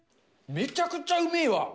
めちゃくちゃうめえわ。